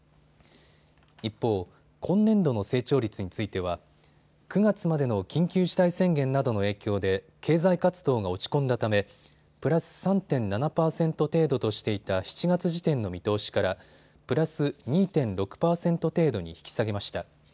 一方、今年度の成長率については９月までの緊急事態宣言などの影響で経済活動が落ち込んだためプラス３．７％程度としていた７月時点の見通しからプラス２．６％程度に引き下げました。